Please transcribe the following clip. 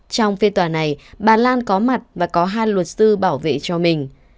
trong phiên tòa này bà lan có mặt và có hai luật sư bảo vệ cho mình